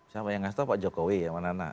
siapa yang ngasih tau pak jokowi ya manana